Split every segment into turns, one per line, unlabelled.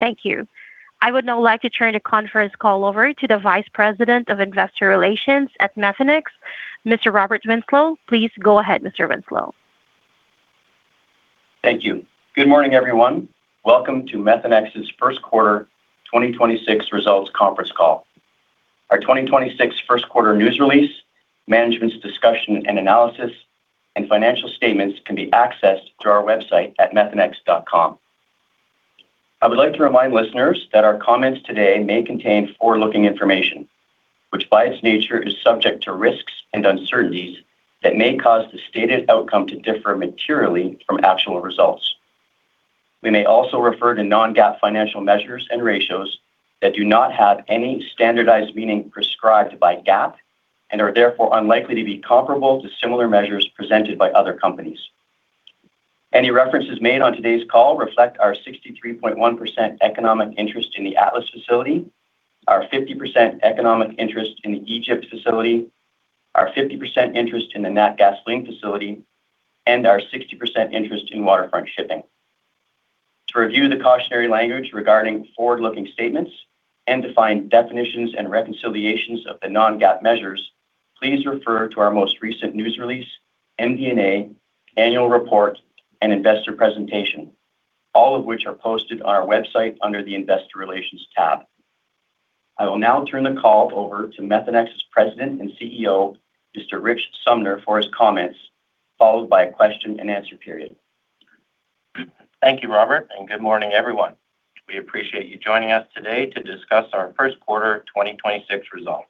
Thank you. I would now like to turn the conference call over to the Vice President of Investor Relations at Methanex, Mr. Robert Winslow. Please go ahead, Mr. Winslow.
Thank you. Good morning, everyone. Welcome to Methanex's First Quarter 2026 Results Conference Call. Our 2026 first quarter news release, management's discussion and analysis, and financial statements can be accessed through our website at methanex.com. I would like to remind listeners that our comments today may contain forward-looking information, which by its nature is subject to risks and uncertainties that may cause the stated outcome to differ materially from actual results. We may also refer to non-GAAP financial measures and ratios that do not have any standardized meaning prescribed by GAAP and are therefore unlikely to be comparable to similar measures presented by other companies. Any references made on today's call reflect our 63.1% economic interest in the Atlas facility, our 50% economic interest in the Egypt facility, our 50% interest in the Natgasoline facility, and our 60% interest in Waterfront Shipping. To review the cautionary language regarding forward-looking statements and to find definitions and reconciliations of the non-GAAP measures, please refer to our most recent news release, MD&A, annual report, and investor presentation, all of which are posted on our website under the Investor Relations tab. I will now turn the call over to Methanex's President and CEO, Mr. Rich Sumner, for his comments, followed by a question-and-answer period.
Thank you, Robert, and good morning, everyone. We appreciate you joining us today to discuss our first quarter 2026 results.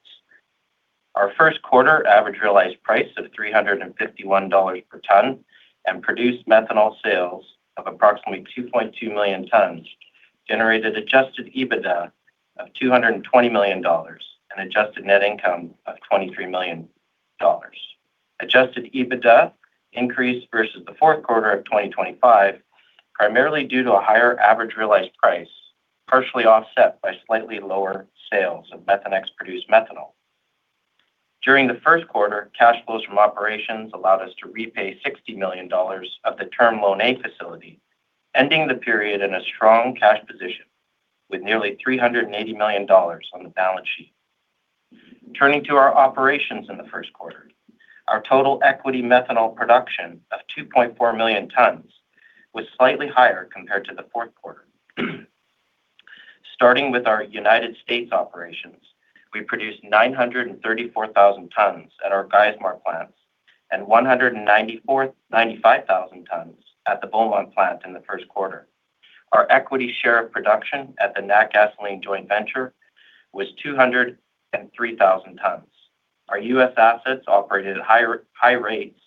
Our first quarter average realized price of $351 per ton and produced methanol sales of approximately 2.2 million tons generated adjusted EBITDA of $220 million and adjusted net income of $23 million. Adjusted EBITDA increased versus the fourth quarter of 2025, primarily due to a higher average realized price, partially offset by slightly lower sales of Methanex produced methanol. During the first quarter, cash flows from operations allowed us to repay $60 million of the Term Loan A facility, ending the period in a strong cash position with nearly $380 million on the balance sheet. Turning to our operation on the first quarter, our total equity methanol production of 2.4 million tons was slightly higher compared to the fourth quarter. Starting with our United States operation, we produced 934,000 tons at our Geismar plants and 195,000 tons at the Beaumont plant in the first quarter. Our equity share of production at the Natgasoline joint venture was 203,000 tons. Our U.S. assets operated at high rates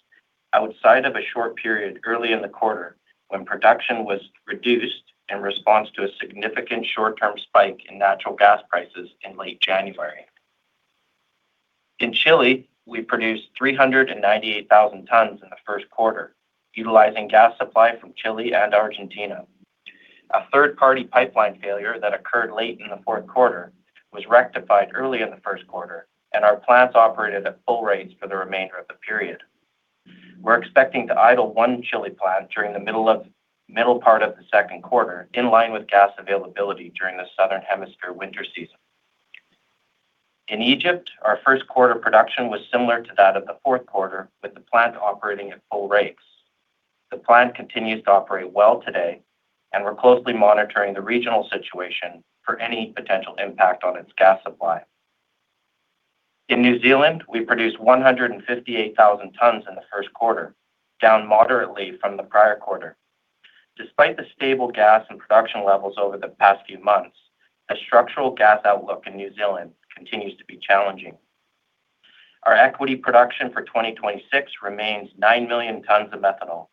outside of a short period early in the quarter when production was reduced in response to a significant short-term spike in natural gas prices in late January. In Chile, we produced 398,000 tons in the first quarter, utilizing gas supply from Chile and Argentina. A third-party pipeline failure that occurred late in the fourth quarter was rectified early in the first quarter, and our plants operated at full rates for the remainder of the period. We're expecting to idle one Chile plant during the middle part of the second quarter, in line with gas availability during the Southern Hemisphere winter season. In Egypt, our first quarter production was similar to that of the fourth quarter, with the plant operating at full rates. The plant continues to operate well today, we're closely monitoring the regional situation for any potential impact on its gas supply. In New Zealand, we produced 158,000 tons in the first quarter, down moderately from the prior quarter. Despite the stable gas and production levels over the past few months, the structural gas outlook in New Zealand continues to be challenging. Our equity production for 2026 remains 9 million tons of methanol.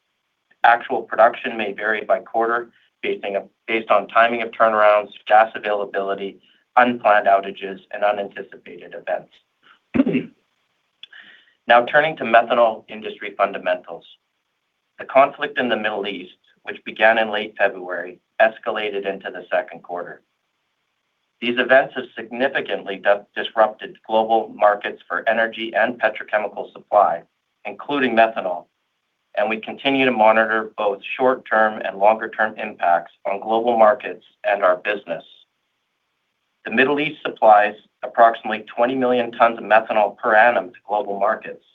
Actual production may vary by quarter, based on timing of turnarounds, gas availability, unplanned outages, and unanticipated events. Turning to methanol industry fundamentals. The conflict in the Middle East, which began in late February, escalated into the second quarter. These events have significantly disrupted global markets for energy and petrochemical supply, including methanol, and we continue to monitor both short-term and longer-term impacts on global markets and our business. The Middle East supplies approximately 20 million tons of methanol per annum to global markets,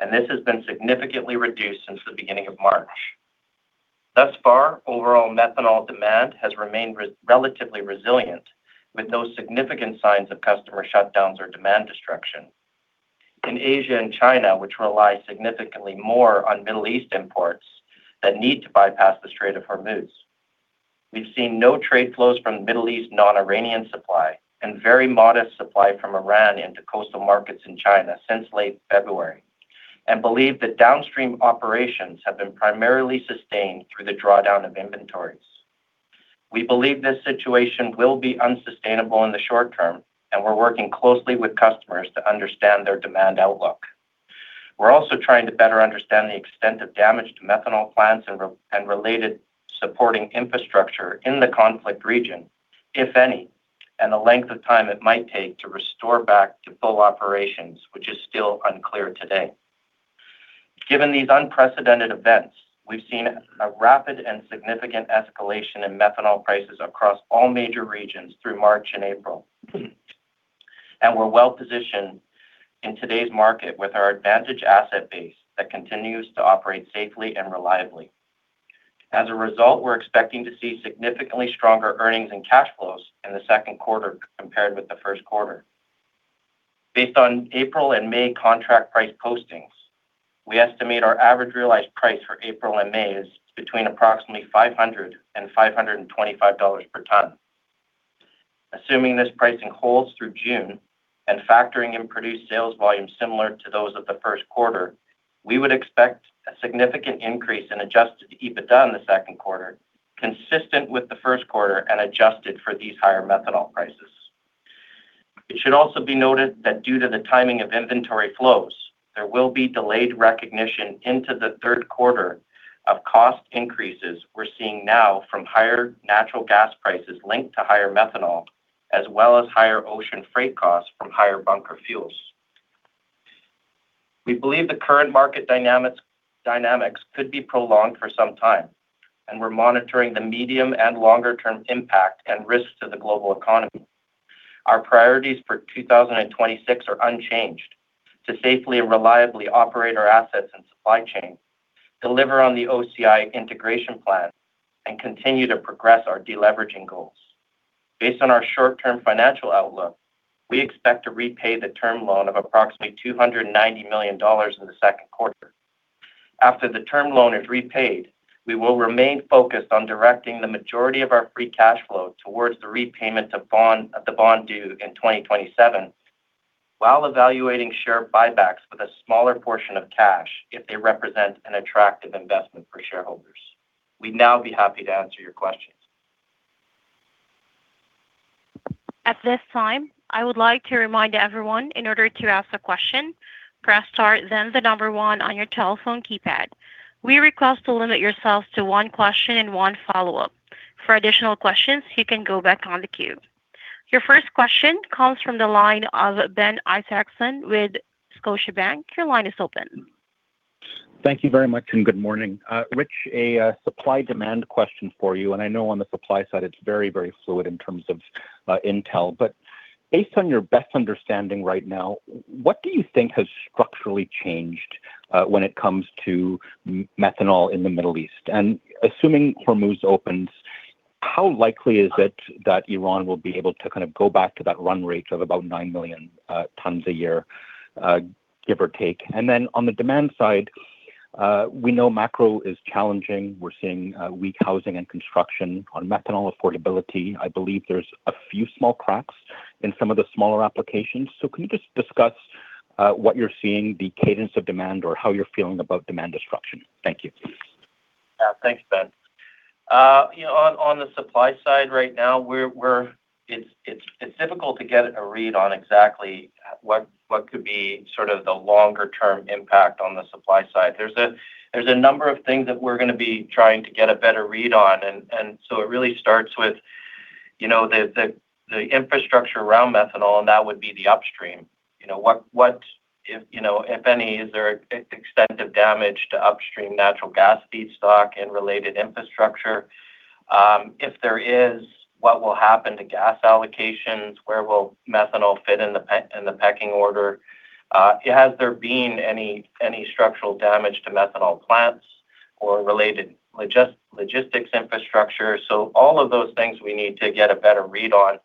and this has been significantly reduced since the beginning of March. Thus far, overall methanol demand has remained relatively resilient, with no significant signs of customer shutdowns or demand destruction. In Asia and China, which rely significantly more on Middle East imports that need to bypass the Strait of Hormuz, we've seen no trade flows from Middle East non-Iranian supply and very modest supply from Iran into coastal markets in China since late February and believe that downstream operations have been primarily sustained through the drawdown of inventories. We believe this situation will be unsustainable in the short-term, and we're working closely with customers to understand their demand outlook. We're also trying to better understand the extent of damage to methanol plants and related supporting infrastructure in the conflict region, if any, and the length of time it might take to restore back to full operations, which is still unclear today. Given these unprecedented events, we've seen a rapid and significant escalation in methanol prices across all major regions through March and April. We're well-positioned in today's market with our advantage asset base that continues to operate safely and reliably. As a result, we're expecting to see significantly stronger earnings and cash flows in the second quarter compared with the first quarter. Based on April and May contract price postings, we estimate our average realized price for April and May is between approximately $500 and $525 per ton. Assuming this pricing holds through June and factoring in produced sales volume similar to those of the first quarter, we would expect a significant increase in adjusted EBITDA in the second quarter, consistent with the first quarter and adjusted for these higher methanol prices. It should also be noted that due to the timing of inventory flows, there will be delayed recognition into the third quarter of cost increases we're seeing now from higher natural gas prices linked to higher methanol, as well as higher ocean freight costs from higher bunker fuels. We believe the current market dynamics could be prolonged for some time, and we're monitoring the medium and longer-term impact and risks to the global economy. Our priorities for 2026 are unchanged: to safely and reliably operate our assets and supply chain, deliver on the OCI integration plan, and continue to progress our deleveraging goals. Based on our short-term financial outlook, we expect to repay the term loan of approximately $290 million in the second quarter. After the term loan is repaid, we will remain focused on directing the majority of our free cash flow towards the repayment of the bond due in 2027, while evaluating share buybacks with a smaller portion of cash if they represent an attractive investment for shareholders. We'd now be happy to answer your questions.
At this time, I'd like to remind everyone in order to ask a question, press star then the number one on your telephone keypad, we request to limit yourself to one question and one follow up, for additional questions you can go back on the queue. Your first question comes from the line of Ben Isaacson with Scotiabank. Your line is open.
Thank you very much, good morning. Rich, a supply-demand question for you. I know on the supply side, it's very, very fluid in terms of intel. Based on your best understanding right now, what do you think has structurally changed when it comes to methanol in the Middle East? Assuming Hormuz opens, how likely is it that Iran will be able to kind of go back to that run rate of about 9 million tons a year, give or take? Then on the demand side, we know macro is challenging. We're seeing weak housing and construction on methanol affordability. I believe there's a few small cracks in some of the smaller applications. Can you just discuss what you're seeing, the cadence of demand or how you're feeling about demand destruction? Thank you.
Thanks, Ben. You know, on the supply side right now, it's difficult to get a read on exactly what could be sort of the longer-term impact on the supply side. There's a number of things that we're gonna be trying to get a better read on. It really starts with, you know, the infrastructure around methanol, and that would be the upstream. You know, if, you know, if any, is there extensive damage to upstream natural gas feedstock and related infrastructure? If there is, what will happen to gas allocations? Where will methanol fit in the pecking order? Has there been any structural damage to methanol plants or related logistics infrastructure? All of those things we need to get a better read on,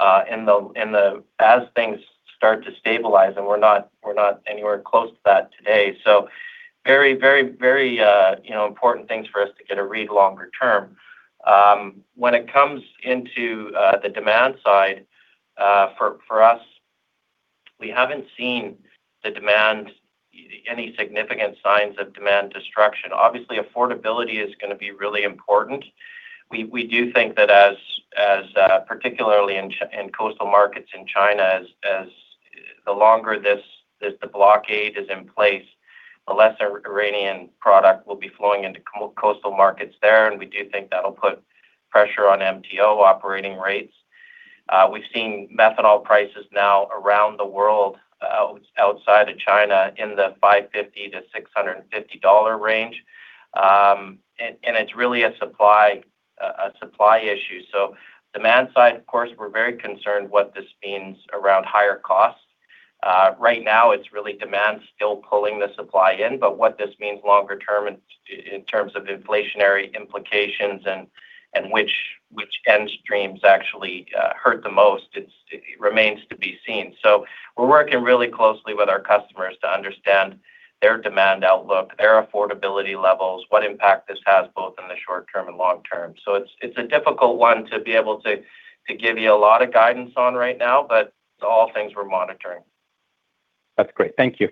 as things start to stabilize, and we're not anywhere close to that today. Very, very, very, you know, important things for us to get a read longer-term. When it comes into the demand side, for us, we haven't seen any significant signs of demand destruction. Obviously, affordability is going to be really important. We do think that as particularly in coastal markets in China, as the longer this the blockade is in place, the less Iranian product will be flowing into coastal markets there, and we do think that will put pressure on MTO operating rates. We've seen methanol prices now around the world, outside of China in the $550-$650 range. It's really a supply issue. Demand side, of course, we're very concerned what this means around higher costs. Right now it's really demand still pulling the supply in. What this means longer-term in terms of inflationary implications and which end streams actually hurt the most, it remains to be seen. We're working really closely with our customers to understand their demand outlook, their affordability levels, what impact this has both in the short-term and long-term. It's a difficult one to be able to give you a lot of guidance on right now, but all things we're monitoring.
That's great. Thank you.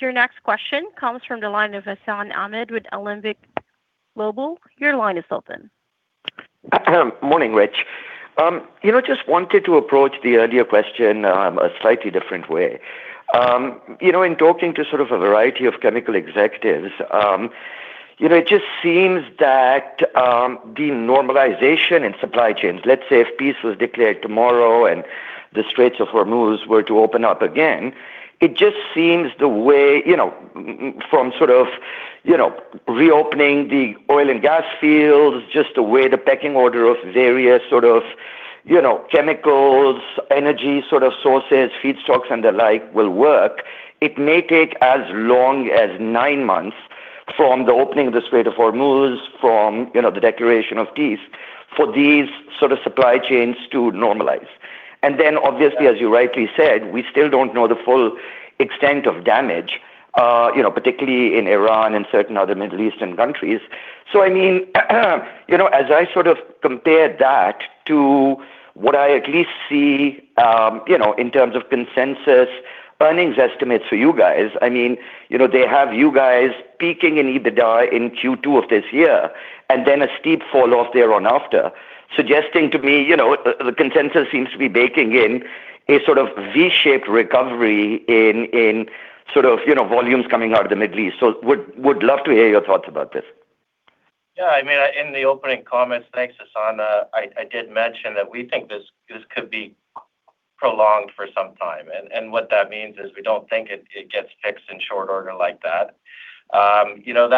Your next question comes from the line of Hassan Ahmed with Alembic Global. Your line is open.
Morning, Rich. You know, just wanted to approach the earlier question, a slightly different way. You know, in talking to sort of a variety of chemical executives. You know, it just seems that the normalization in supply chains, let's say if peace was declared tomorrow and the Straits of Hormuz were to open up again, it just seems the way, you know, from sort of, you know, reopening the oil and gas fields, just the way the pecking order of various sort of, you know, chemicals, energy sort of sources, feedstocks and the like will work. It may take as long as nine months from the opening of the Strait of Hormuz, from, you know, the declaration of peace for these sort of supply chains to normalize. Then obviously, as you rightly said, we still don't know the full extent of damage, you know, particularly in Iran and certain other Middle Eastern countries. I mean, you know, as I sort of compare that to what I at least see, you know, in terms of consensus earnings estimates for you guys, I mean, you know, they have you guys peaking in EBITDA in Q2 of this year. Then a steep falloff thereon after suggesting to me, you know, the consensus seems to be baking in a sort of V-shaped recovery in sort of, you know, volumes coming out of the Middle East. Would love to hear your thoughts about this?
Yeah. I mean, in the opening comments, thanks, Hassan, I did mention that we think this could be prolonged for some time. What that means is we don't think it gets fixed in short order like that. You know,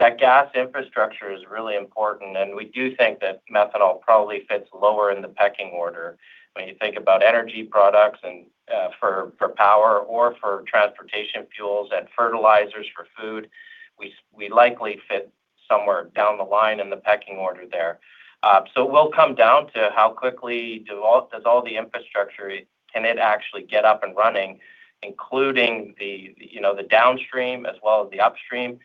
that gas infrastructure is really important. We do think that methanol probably fits lower in the pecking order. When you think about energy products and for power or for transportation fuels and fertilizers for food, we likely fit somewhere down the line in the pecking order there. It will come down to how quickly does all the infrastructure, can it actually get up and running, including the, you know, the downstream as well as the upstream.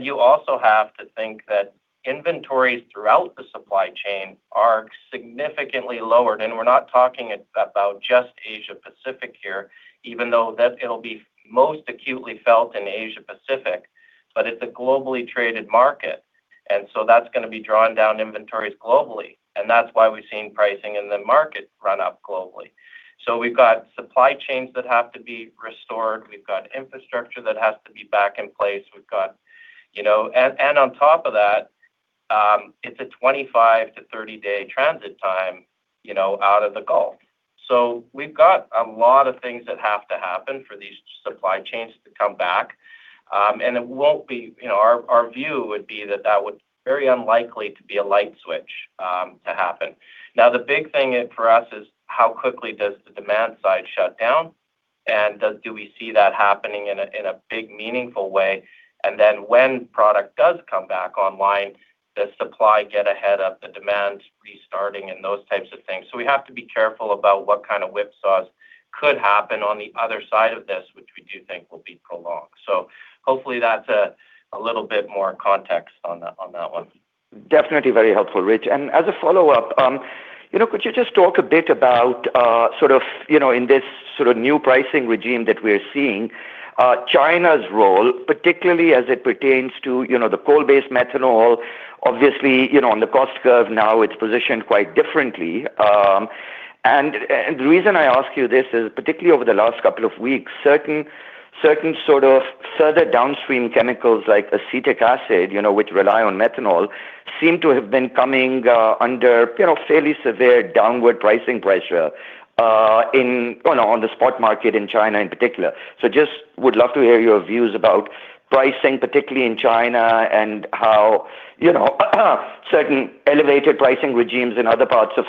You also have to think that inventories throughout the supply chain are significantly lowered. We're not talking about just Asia-Pacific here, even though that it'll be most acutely felt in Asia-Pacific. It's a globally traded market, that's gonna be drawing down inventories globally. That's why we've seen pricing in the market run up globally. We've got supply chains that have to be restored. We've got infrastructure that has to be back in place. You know, on top of that, it's a 25 to 30-day transit time, you know, out of the Gulf. We've got a lot of things that have to happen for these supply chains to come back. It won't be, you know, our view would be that that would very unlikely to be a light switch to happen. The big thing for us is how quickly does the demand side shut down, do we see that happening in a big, meaningful way? When product does come back online, does supply get ahead of the demand restarting and those types of things? We have to be careful about what kind of whipsaws could happen on the other side of this, which we do think will be prolonged. Hopefully that's a little bit more context on that one.
Definitely very helpful, Rich. As a follow-up, you know, could you just talk a bit about, sort of, you know, in this sort of new pricing regime that we're seeing, China's role, particularly as it pertains to, you know, the coal-based methanol? Obviously, you know, on the cost curve now it's positioned quite differently. And the reason I ask you this is particularly over the last couple of weeks, certain sort of further downstream chemicals like acetic acid, you know, which rely on methanol, seem to have been coming under, you know, fairly severe downward pricing pressure, on the spot market in China in particular. Just would love to hear your views about pricing, particularly in China, and how, you know, certain elevated pricing regimes in other parts of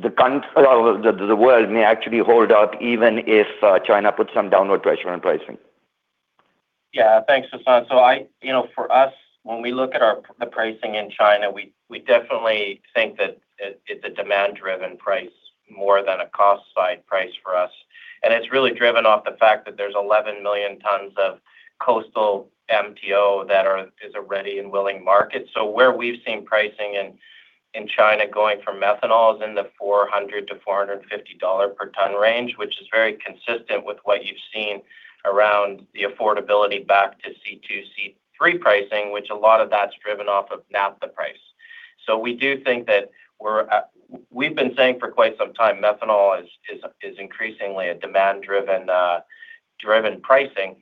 the world may actually hold out even if China puts some downward pressure on pricing.
Yeah. Thanks, Hassan. You know, for us, when we look at the pricing in China, we definitely think that it's a demand-driven price more than a cost side price for us. It's really driven off the fact that there's 11 million tons of coastal MTO that is a ready and willing market. Where we've seen pricing in China going for methanol is in the $400-$450 per ton range, which is very consistent with what you've seen around the affordability back to C2, C3 pricing, which a lot of that's driven off of naphtha price. We do think that we've been saying for quite some time, methanol is increasingly a demand-driven, driven pricing.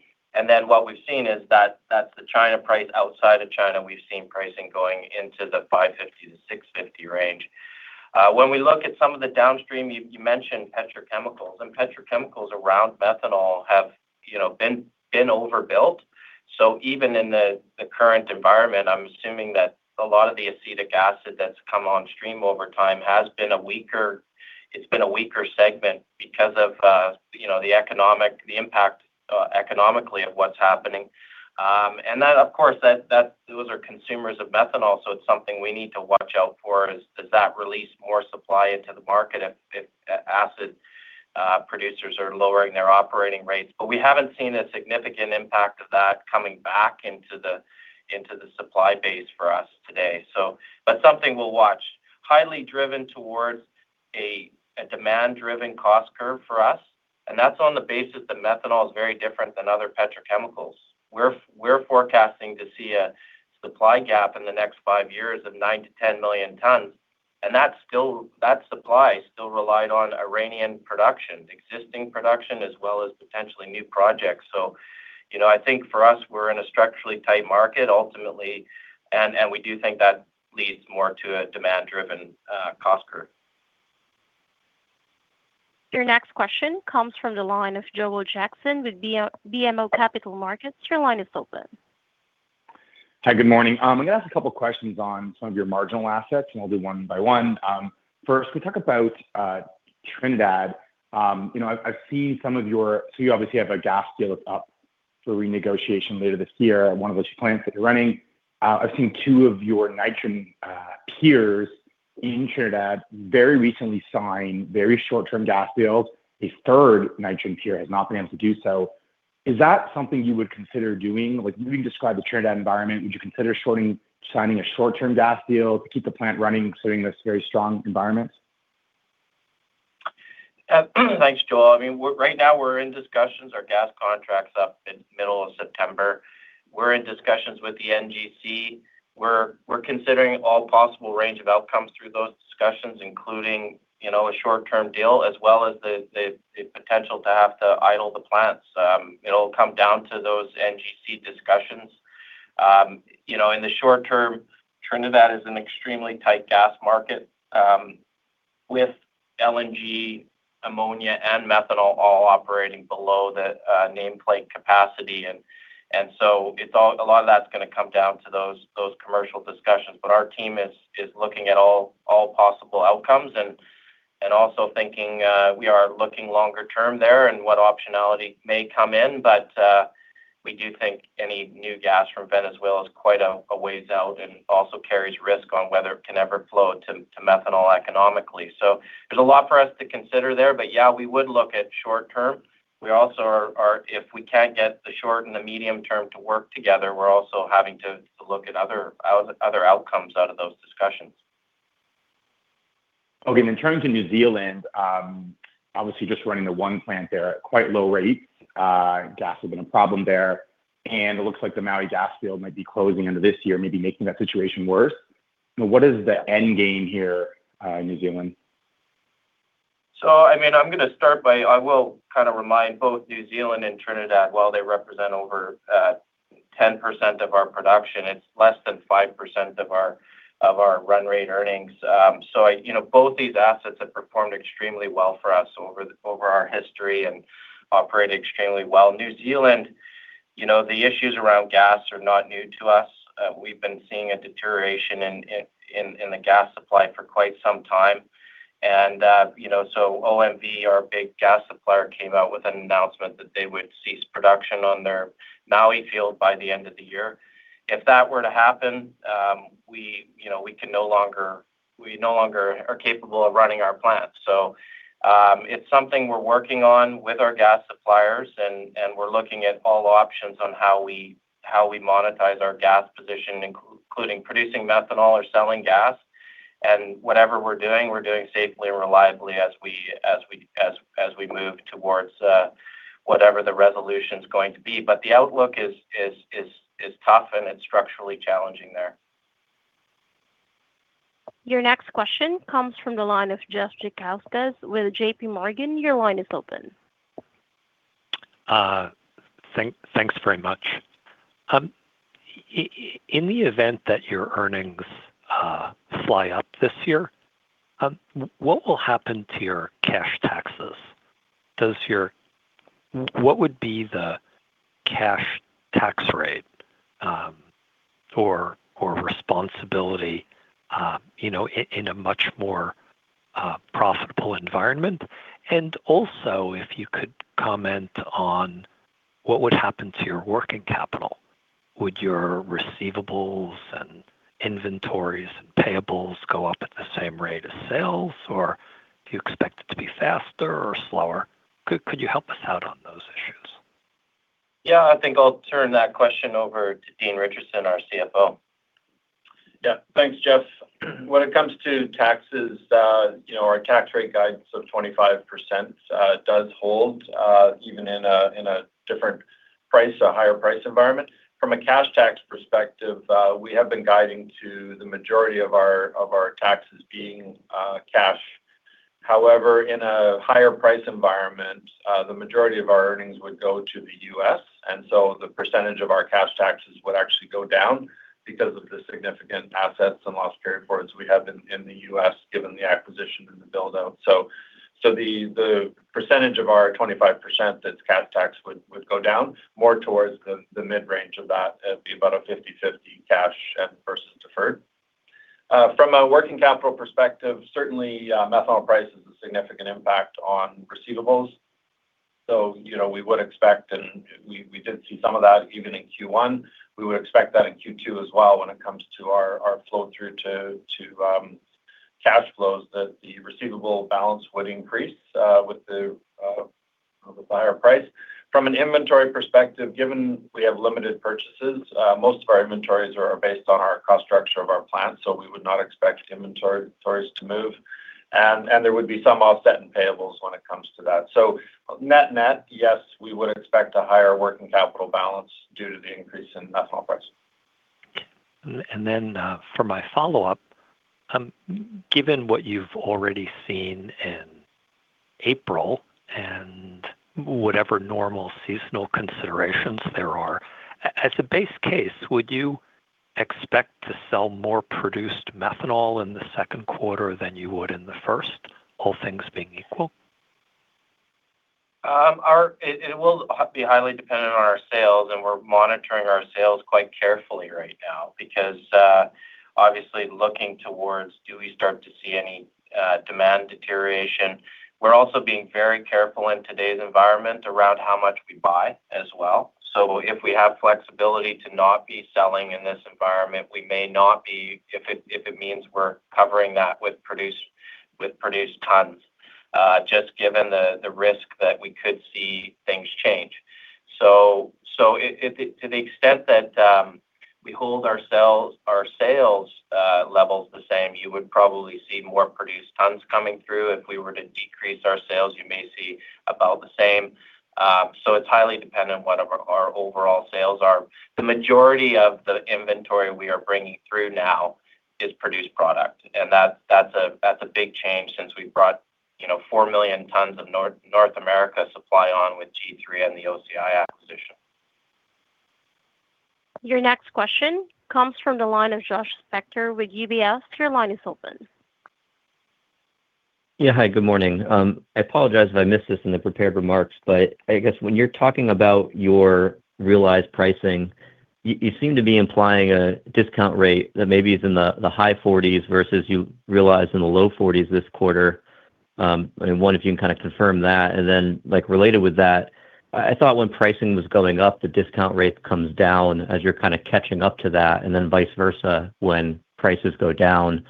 What we've seen is that the China price outside of China, we've seen pricing going into the $550-$650 range. When we look at some of the downstream, you mentioned petrochemicals, and petrochemicals around methanol have, you know, been overbuilt. Even in the current environment, I'm assuming that a lot of the acetic acid that's come on stream over time has been a weaker segment because of, you know, the impact economically of what's happening. Of course, those are consumers of methanol, so it's something we need to watch out for is, does that release more supply into the market if a-acid producers are lowering their operating rates? We haven't seen a significant impact of that coming back into the, into the supply base for us today. Something we'll watch. Highly driven towards a demand-driven cost curve for us, and that's on the basis that methanol is very different than other petrochemicals. We're forecasting to see a supply gap in the next five years of 9 million tons-10 million tons. That supply still relied on Iranian production, existing production, as well as potentially new projects. You know, I think for us, we're in a structurally tight market ultimately, and we do think that leads more to a demand-driven cost curve.
Your next question comes from the line of Joel Jackson with BMO Capital Markets. Your line is open.
Hi, good morning. I'm going to ask a couple questions on some of your marginal assets. I'll do one by one. First, can we talk about Trinidad? You know, you obviously have a gas deal up for renegotiation later this year at one of the plants that you're running. I've seen two of your nitrogen peers in Trinidad very recently sign very short-term gas deals. A third nitrogen peer has not been able to do so. Is that something you would consider doing? Like, you described the Trinidad environment. Would you consider signing a short-term gas deal to keep the plant running considering this very strong environment?
Thanks, Joel. I mean, right now we're in discussions. Our gas contract's up middle of September. We're in discussions with the NGC. We're considering all possible range of outcomes through those discussions, including, you know, a short-term deal, as well as the potential to have to idle the plants. It'll come down to those NGC discussions. You know, in the short-term, Trinidad is an extremely tight gas market, with LNG, ammonia and methanol all operating below the nameplate capacity. A lot of that's gonna come down to those commercial discussions. Our team is looking at all possible outcomes and also thinking, we are looking longer term there and what optionality may come in. We do think any new gas from Venezuela is quite a ways out and also carries risk on whether it can ever flow to methanol economically. There's a lot for us to consider there, but we would look at short-term. We also are, if we can't get the short and the medium-term to work together, we're also having to look at other outcomes out of those discussions.
Okay. In terms of New Zealand, obviously just running the one plant there at quite low rates. Gas has been a problem there, and it looks like the Maui Gas Field might be closing end of this year, maybe making that situation worse. You know, what is the endgame here in New Zealand?
I mean, I will kinda remind both New Zealand and Trinidad, while they represent over 10% of our production, it's less than 5% of our run rate earnings. You know, both these assets have performed extremely well for us over our history and operate extremely well. New Zealand, you know, the issues around gas are not new to us. We've been seeing a deterioration in the gas supply for quite some time. You know, OMV, our big gas supplier, came out with an announcement that they would cease production on their Maui Gas Field by the end of the year. If that were to happen, we, you know, we no longer are capable of running our plant. It's something we're working on with our gas suppliers and we're looking at all options on how we, how we monetize our gas position, including producing methanol or selling gas. Whatever we're doing, we're doing safely and reliably as we move towards whatever the resolution's going to be. The outlook is tough, and it's structurally challenging there.
Your next question comes from the line of Jeff Zekauskas with J.P. Morgan. Your line is open.
Thanks very much. In the event that your earnings fly up this year, what will happen to your cash taxes? What would be the cash tax rate, or responsibility, you know, in a much more profitable environment? If you could comment on what would happen to your working capital. Would your receivables and inventories and payables go up at the same rate as sales, or do you expect it to be faster or slower? Could you help us out on those issues?
Yeah, I think I'll turn that question over to Dean Richardson, our CFO.
Yeah. Thanks, Jeff. When it comes to taxes, you know, our tax rate guidance of 25% does hold even in a different price, a higher price environment. From a cash tax perspective, we have been guiding to the majority of our taxes being cash. However, in a higher price environment, the majority of our earnings would go to the U.S., the percentage of our cash taxes would actually go down because of the significant assets and loss carryforwards we have in the U.S., given the acquisition and the build-out. The percentage of our 25% that's cash tax would go down more towards the mid-range of that. It'd be about a 50/50 cash versus deferred. From a working capital perspective, certainly, methanol price is a significant impact on receivables. You know, we would expect, and we did see some of that even in Q1. We would expect that in Q2 as well when it comes to our flow through to cash flows, that the receivable balance would increase with the higher price. From an inventory perspective, given we have limited purchases, most of our inventories are based on our cost structure of our plant. We would not expect inventories to move There would be some offset in payables when it comes to that. Net-net, yes, we would expect a higher working capital balance due to the increase in methanol price.
For my follow-up, given what you've already seen in April and whatever normal seasonal considerations there are, as a base case, would you expect to sell more produced methanol in the second quarter than you would in the first, all things being equal?
It will be highly dependent on our sales, and we're monitoring our sales quite carefully right now because obviously looking towards do we start to see any demand deterioration. We're also being very careful in today's environment around how much we buy as well. If we have flexibility to not be selling in this environment, we may not be if it means we're covering that with produced tons, just given the risk that we could see things change. To the extent that we hold our sales levels the same, you would probably see more produced tons coming through. If we were to decrease our sales, you may see about the same. It's highly dependent what our overall sales are. The majority of the inventory we are bringing through now is produced product. That's a big change since we brought, you know, 4 million tons of North America supply on with T3 and the OCI acquisition.
Your next question comes from the line of Josh Spector with UBS. Your line is open.
Yeah, hi, good morning. I apologize if I missed this in the prepared remarks, but I guess when you're talking about your realized pricing, you seem to be implying a discount rate that maybe is in the high 40s versus you realize in the low 40s this quarter. I wonder if you can kind of confirm that. Like, related with that, I thought when pricing was going up, the discount rate comes down as you're kind of catching up to that, and then vice versa when prices go down.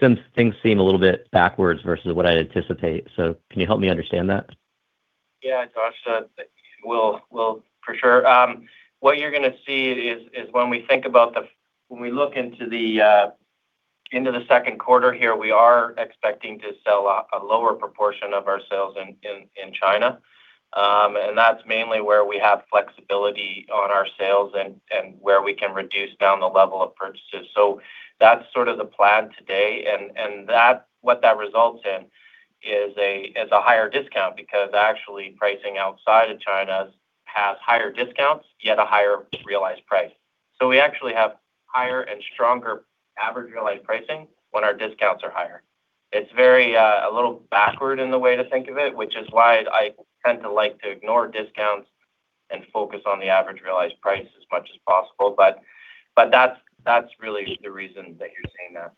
Some things seem a little bit backwards versus what I'd anticipate. Can you help me understand that?
Yeah, Josh, we'll for sure. What you're gonna see is when we look into the second quarter here, we are expecting to sell a lower proportion of our sales in China. That's mainly where we have flexibility on our sales and where we can reduce down the level of purchases. That's sort of the plan today. What that results in is a higher discount because actually pricing outside of China has higher discounts, yet a higher realized price. We actually have higher and stronger average realized pricing when our discounts are higher. It's very a little backward in the way to think of it, which is why I tend to like to ignore discounts and focus on the average realized price as much as possible. That's really the reason that you're seeing that.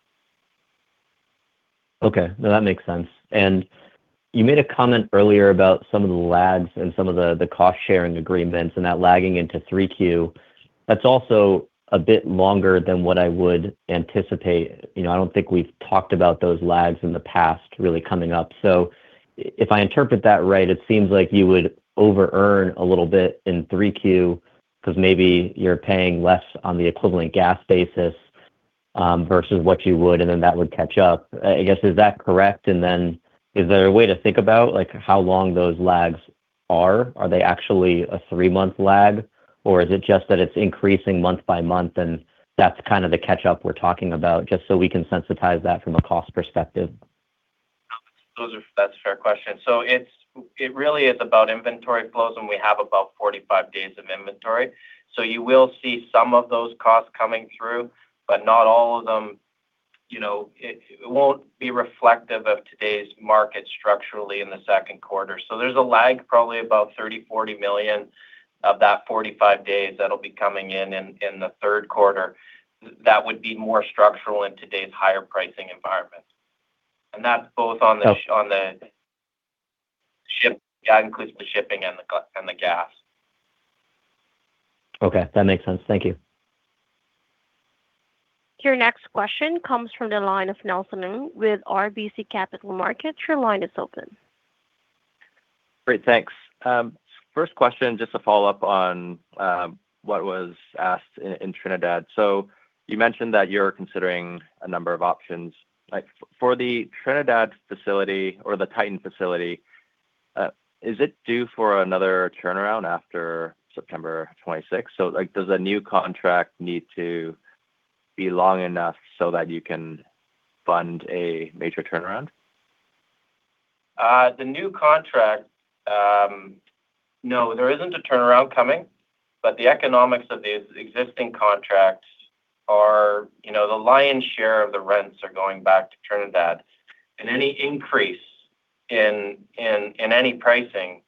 Okay. No, that makes sense. You made a comment earlier about some of the lags and some of the cost-sharing agreements and that lagging into 3Q. That's also a bit longer than what I would anticipate. You know, I don't think we've talked about those lags in the past really coming up. If I interpret that right, it seems like you would over earn a little bit in 3Q because maybe you're paying less on the equivalent gas basis, versus what you would, and then that would catch up. I guess, is that correct? Is there a way to think about, like, how long those lags are? Are they actually a three-month lag, or is it just that it's increasing month by month, and that's kind of the catch-up we're talking about? Just so we can sensitize that from a cost perspective.
That's a fair question. It really is about inventory flows, and we have about 45 days of inventory. You will see some of those costs coming through, but not all of them. You know, it won't be reflective of today's market structurally in the second quarter. There's a lag, probably about $30 million, $40 million of that 45 days that'll be coming in in the third quarter. That would be more structural in today's higher pricing environment. That's both on the ship. Yeah, includes the shipping and the gas.
Okay, that makes sense. Thank you.
Your next question comes from the line of Nelson Ng with RBC Capital Markets. Your line is open.
Great, thanks. First question, just to follow up on what was asked in Trinidad. You mentioned that you're considering a number of options. For the Trinidad facility or the Titan facility, is it due for another turnaround after September 26th? Does a new contract need to be long enough so that you can fund a major turnaround?
The new contract. No, there isn't a turnaround coming, but the economics of the existing contracts are, you know, the lion's share of the rents are going back to Trinidad. Any increase in any pricing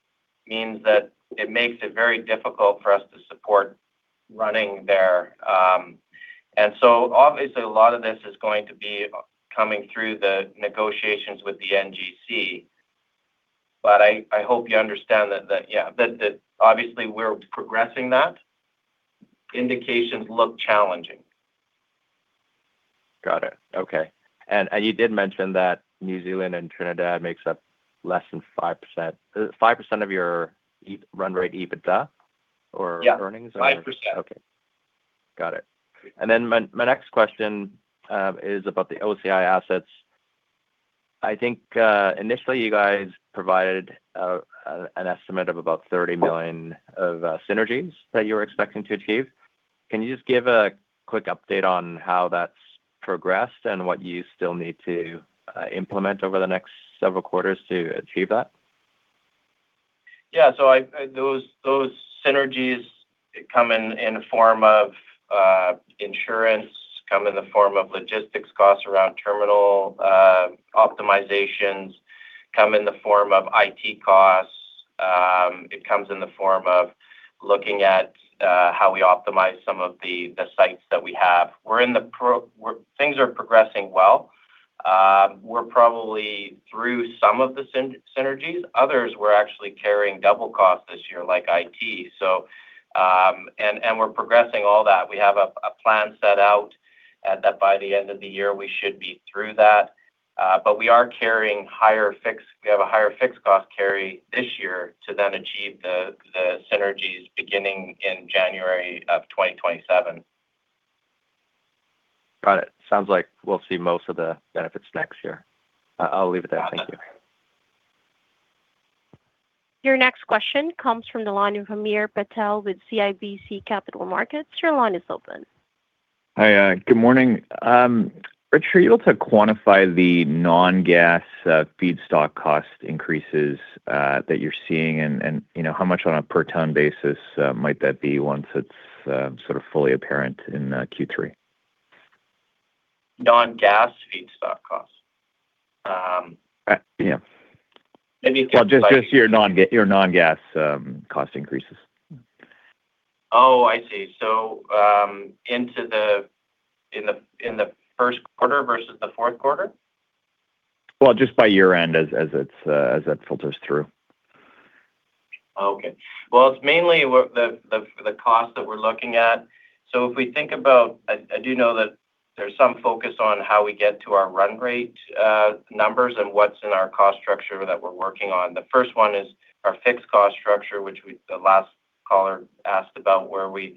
means that it makes it very difficult for us to support running there. Obviously a lot of this is going to be coming through the negotiations with the NGC. I hope you understand that obviously we're progressing that. Indications look challenging.
Got it. Okay. You did mention that New Zealand and Trinidad makes up less than 5%. Is it 5% of your run rate EBITDA?
Yeah
earnings or?
5%.
Okay. Got it. My next question is about the OCI Global assets. I think initially you guys provided an estimate of about $30 million of synergies that you were expecting to achieve. Can you just give a quick update on how that's progressed and what you still need to implement over the next several quarters to achieve that?
Yeah. Those synergies come in form of insurance, come in the form of logistics costs around terminal optimizations, come in the form of IT costs. It comes in the form of looking at how we optimize some of the sites that we have. Things are progressing well. We're probably through some of the synergies. Others, we're actually carrying double cost this year, like IT. And we're progressing all that. We have a plan set out that by the end of the year, we should be through that. We have a higher fixed cost carry this year to then achieve the synergies beginning in January of 2027.
Got it. Sounds like we'll see most of the benefits next year. I'll leave it at that. Thank you.
Absolutely.
Your next question comes from the line of Hamir Patel with CIBC Capital Markets. Your line is open.
Hi, good morning. Rich, are you able to quantify the non-gas feedstock cost increases that you're seeing? You know, how much on a per ton basis might that be once it's sort of fully apparent in Q3?
Non-gas feedstock costs?
Yeah.
Maybe it's like.
Well, just your non-gas cost increases.
Oh, I see. into the first quarter versus the fourth quarter?
Just by year-end as it's, as that filters through.
It's mainly what the cost that we're looking at. If we think about, I do know that there's some focus on how we get to our run rate numbers and what's in our cost structure that we're working on. The first one is our fixed cost structure, which the last caller asked about where we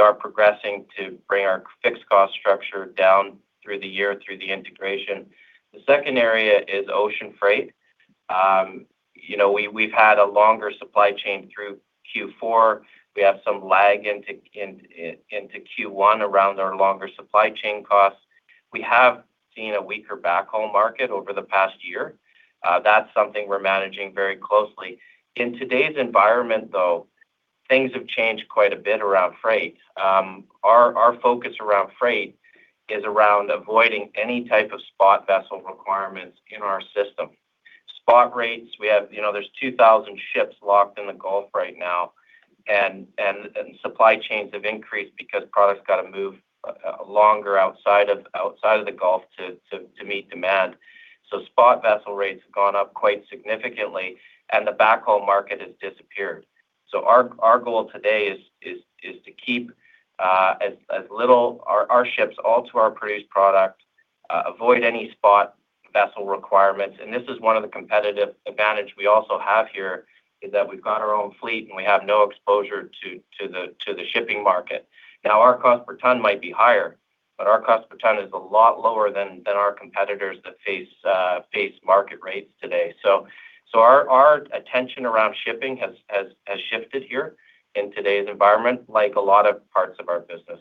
are progressing to bring our fixed cost structure down through the year through the integration. The second area is ocean freight. You know, we've had a longer supply chain through Q4. We have some lag into Q1 around our longer supply chain costs. We have seen a weaker backhaul market over the past year. That's something we're managing very closely. In today's environment, though, things have changed quite a bit around freight. Our focus around freight is around avoiding any type of spot vessel requirements in our system. Spot rates, you know, there's 2,000 ships locked in the Gulf right now. Supply chains have increased because products gotta move longer outside of the Gulf to meet demand. Spot vessel rates have gone up quite significantly, and the backhaul market has disappeared. Our goal today is to keep our ships all to our produced product, avoid any spot vessel requirements. This is one of the competitive advantage we also have here is that we've got our own fleet, and we have no exposure to the shipping market. Now, our cost per ton might be higher, but our cost per ton is a lot lower than our competitors that face market rates today. Our attention around shipping has shifted here in today's environment, like a lot of parts of our business.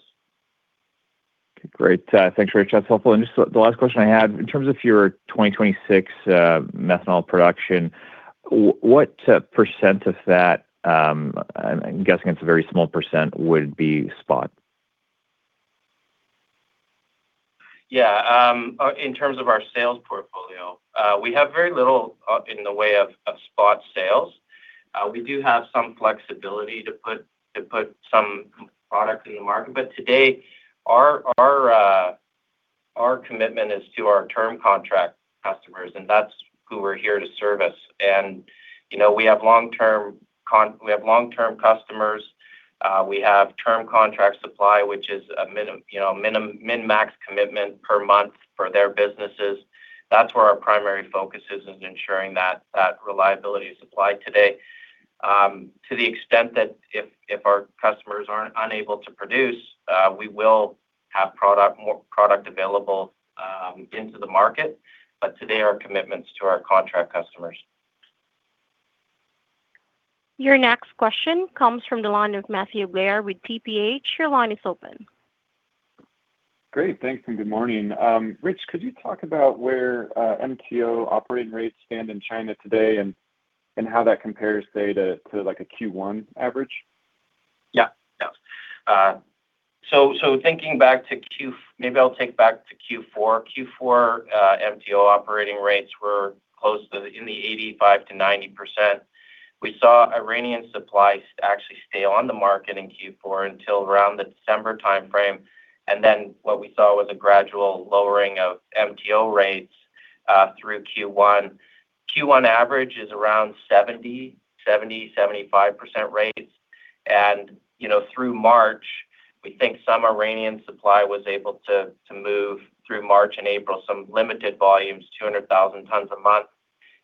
Okay, great. Thanks, Rich. That's helpful. Just the last question I had, in terms of your 2026 methanol production, what percent of that, I'm guessing it's a very small percent, would be spot?
Yeah. In terms of our sales portfolio, we have very little in the way of spot sales. We do have some flexibility to put some product in the market. Today our commitment is to our term contract customers, and that's who we're here to service. You know, we have long-term customers. We have term contract supply, which is a min-max commitment per month for their businesses. That's where our primary focus is ensuring that reliability is supplied today. To the extent that if our customers aren't unable to produce, we will have more product available into the market. Today, our commitment is to our contract customers.
Your next question comes from the line of Matthew Blair with TPH. Your line is open.
Great. Thanks, and good morning. Rich, could you talk about where MTO operating rates stand in China today and how that compares, say, to like a Q1 average?
Yeah. Yeah. Maybe I'll take back to Q4. Q4, MTO operating rates were close to 85%-90%. We saw Iranian supplies actually stay on the market in Q4 until around the December timeframe. What we saw was a gradual lowering of MTO rates through Q1. Q1 average is around 70%-75% rates. You know, through March, we think some Iranian supply was able to move through March and April, some limited volumes, 200,000 tons a month.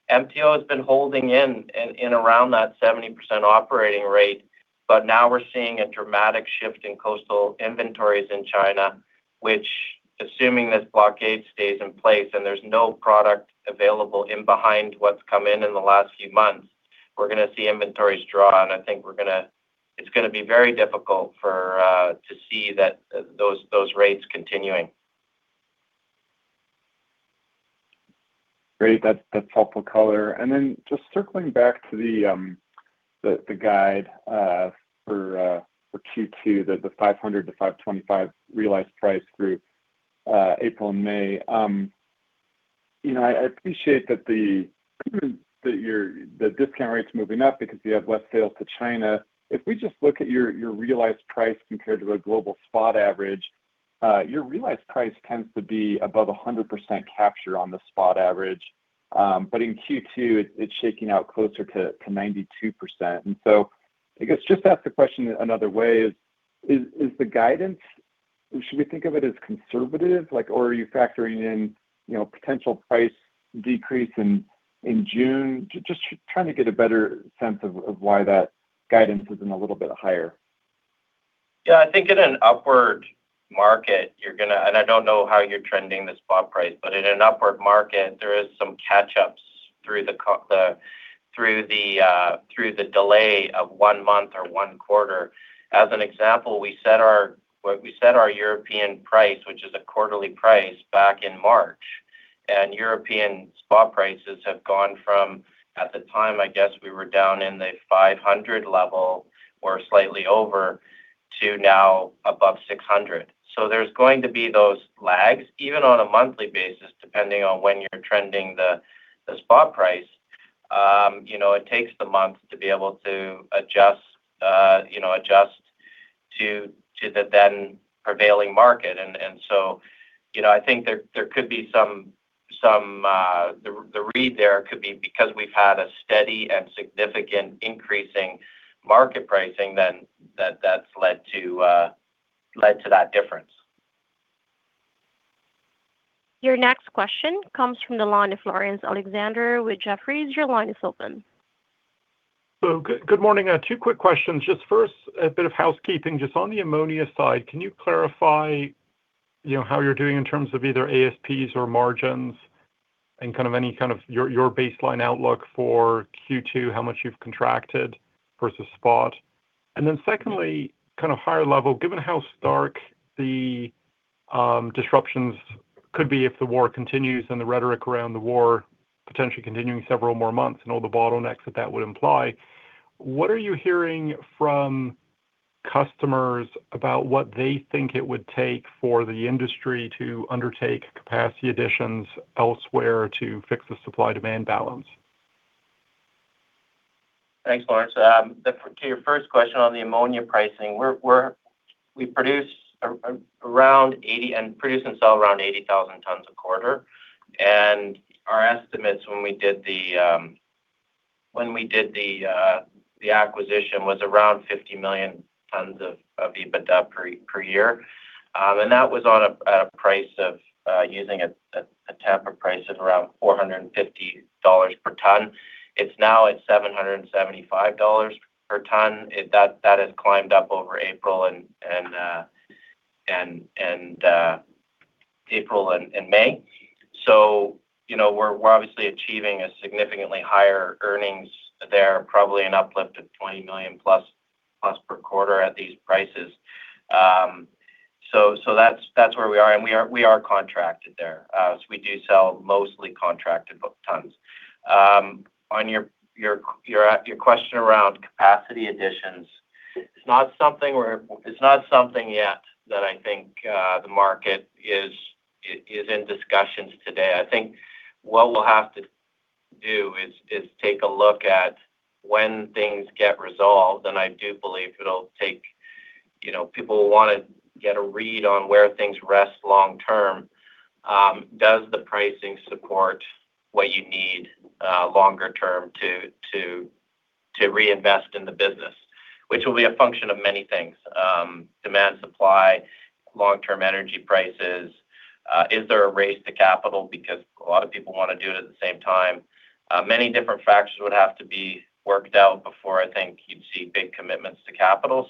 MTO has been holding in around that 70% operating rate, but now we're seeing a dramatic shift in coastal inventories in China, which assuming this blockade stays in place and there's no product available in behind what's come in in the last few months, we're going to see inventories draw. It's gonna be very difficult for to see that, those rates continuing.
Great. That's, that's helpful color. Then just circling back to the guide for Q2, the $500-$525 realized price group, April and May. You know, I appreciate that the discount rate's moving up because you have less sales to China. If we just look at your realized price compared to a global spot average, your realized price tends to be above 100% capture on the spot average. But in Q2, it's shaking out closer to 92%. So I guess just to ask the question another way, is the guidance conservative? Like, or are you factoring in, you know, potential price decrease in June? Just trying to get a better sense of why that guidance isn't a little bit higher?
Yeah. I think in an upward market you're going to. I don't know how you're trending the spot price, in an upward market, there is some catch-ups through the delay of one month or one quarter. As an example, we set our European price, which is a quarterly price, back in March. European spot prices have gone from, at the time, I guess we were down in the $500 level or slightly over, to now above $600. There's going to be those lags even on a monthly basis depending on when you're trending the spot price. You know, it takes the month to be able to adjust, you know, adjust to the then prevailing market. You know, I think there could be some, the read there could be because we've had a steady and significant increasing market pricing then, that's led to that difference.
Your next question comes from the line of Laurence Alexander with Jefferies. Your line is open.
Good morning. Two quick questions. Just first, a bit of housekeeping. Just on the ammonia side, can you clarify, you know, how you're doing in terms of either ASPs or margins and kind of any of your baseline outlook for Q2, how much you've contracted versus spot? Secondly, kind of higher level, given how stark the disruptions could be if the war continues and the rhetoric around the war potentially continuing several more months and all the bottlenecks that that would imply, what are you hearing from customers about what they think it would take for the industry to undertake capacity additions elsewhere to fix the supply-demand balance?
Thanks, Laurence. To your first question on the ammonia pricing, we produce around 80,000 tons a quarter. Our estimates when we did the acquisition was around $50 million of EBITDA per year. That was on a price of using a Tampa price of around $450 per ton. It's now at $775 per ton. That has climbed up over April and May. You know, we're obviously achieving a significantly higher earnings there, probably an uplift of $20 million+ per quarter at these prices. That's where we are, and we are contracted there. We do sell mostly contracted book tons. On your question around capacity additions, it's not something yet that I think the market is in discussions today. I think what we'll have to do is take a look at when things get resolved, and I do believe it'll take, you know, people will want to get a read on where things rest long-term. Does the pricing support what you need longer-term to reinvest in the business, which will be a function of many things: demand, supply, long-term energy prices. Is there a race to capital because a lot of people want to do it at the same time? Many different factors would have to be worked out before I think you'd see big commitments to capital.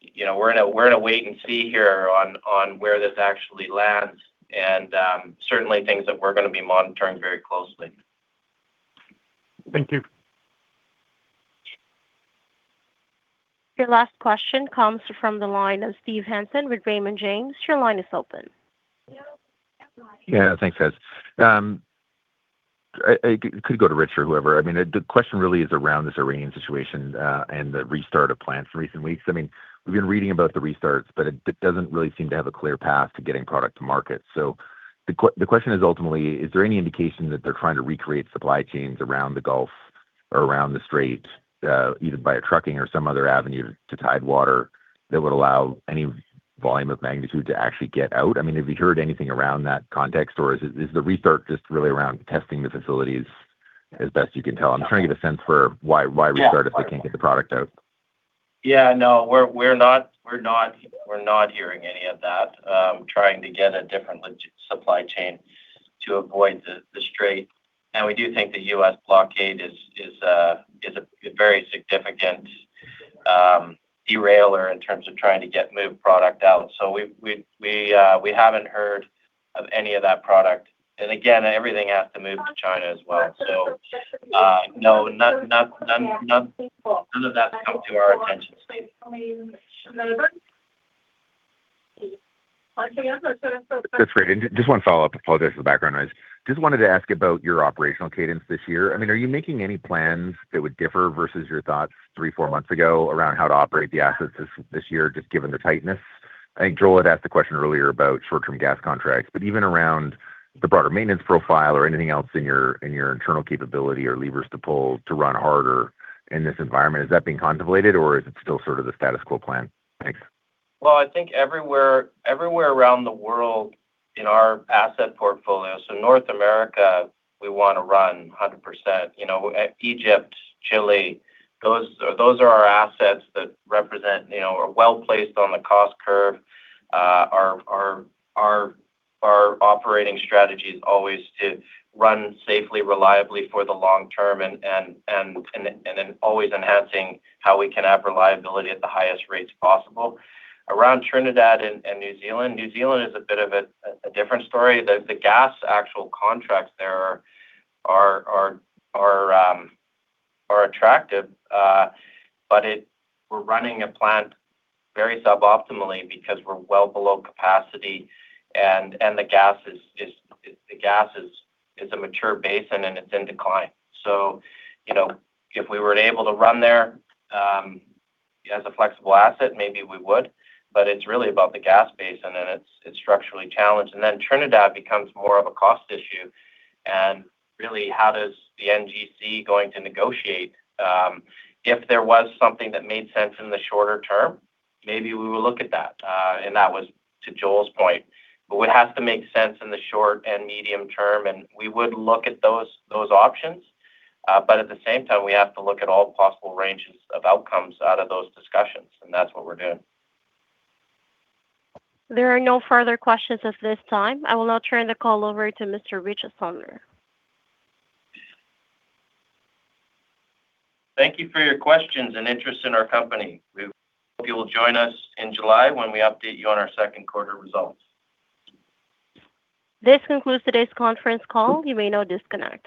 You know, we're in a wait and see here on where this actually lands and, certainly things that we're gonna be monitoring very closely.
Thank you.
Your last question comes from the line of Steve Hansen with Raymond James. Your line is open.
Yeah. Thanks, guys. It could go to Rich or whoever. I mean, the question really is around this Iranian situation and the restart of plants in recent weeks. I mean, we've been reading about the restarts, but it doesn't really seem to have a clear path to getting product to market. The question is ultimately, is there any indication that they're trying to recreate supply chains around the Gulf or around the strait, either via trucking or some other avenue to tidewater that would allow any volume of magnitude to actually get out? I mean, have you heard anything around that context, or is the restart just really around testing the facilities as best you can tell? I'm trying to get a sense for why restart if they can't get the product out.
Yeah, no, we're not hearing any of that. Trying to get a different supply chain to avoid the strait. We do think the U.S. blockade is a very significant de-railer in terms of trying to move product out. We haven't heard of any of that product. Again, everything has to move to China as well. No, none of that's come to our attention.
That's great. Just one follow-up, apologies for the background noise. Just wanted to ask about your operational cadence this year. I mean, are you making any plans that would differ versus your thoughts three, four months ago around how to operate the assets this year, just given the tightness? I think Joel had asked a question earlier about short-term gas contracts, but even around the broader maintenance profile or anything else in your, in your internal capability or levers to pull to run harder in this environment, is that being contemplated or is it still sort of the status quo plan? Thanks.
I think everywhere around the world in our asset portfolio. North America, we wanna run 100%. You know, Egypt, Chile, those are our assets that represent, you know, are well-placed on the cost curve. Our operating strategy is always to run safely, reliably for the long-term and then always enhancing how we can have reliability at the highest rates possible. Around Trinidad and New Zealand, New Zealand is a bit of a different story. The gas actual contracts there are attractive. We're running a plant very suboptimally because we're well below capacity and the gas is a mature basin and it's in decline. You know, if we were able to run there, as a flexible asset, maybe we would, but it's really about the gas basin, and it's structurally challenged. Trinidad becomes more of a cost issue. Really, how does the NGC going to negotiate? If there was something that made sense in the shorter-term, maybe we would look at that. That was to Joel's point. It has to make sense in the short and medium term, and we would look at those options. At the same time, we have to look at all possible ranges of outcomes out of those discussions, and that's what we're doing.
There are no further questions at this time. I will now turn the call over to Mr. Rich Sumner.
Thank you for your questions and interest in our company. We hope you will join us in July when we update you on our second quarter results.
This concludes today's conference call. You may now disconnect.